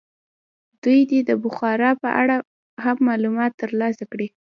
دوی دې د بخارا په اړه هم معلومات ترلاسه کړي.